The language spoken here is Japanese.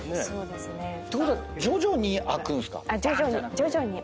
そうですね。